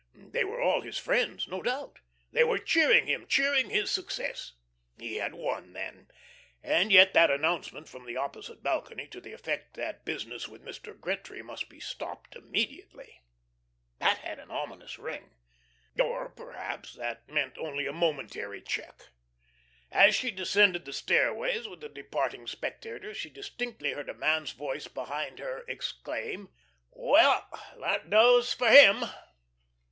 They were all his friends, no doubt. They were cheering him cheering his success. He had won then! And yet that announcement from the opposite balcony, to the effect that business with Mr. Gretry must be stopped, immediately! That had an ominous ring. Or, perhaps, that meant only a momentary check. As she descended the stairways, with the departing spectators, she distinctly heard a man's voice behind her exclaim: "Well, that does for him!"